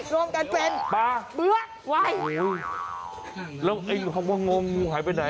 รวมกันเป็นเบื้อกไว้โอ้โฮแล้วไอ้หัวงงหายไปไหน